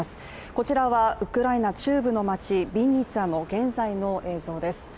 こちらはウクライナ中部の町ビンニツァの現在の映像です。